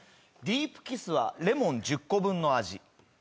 ディープキスはレモン１０個分の味。